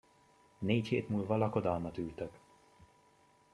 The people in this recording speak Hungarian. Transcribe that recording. Négy hét múlva lakodalmat ültök!